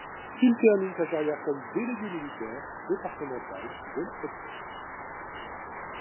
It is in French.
Il termine sa carrière comme Délégué militaire départemental de la Côte d'Or.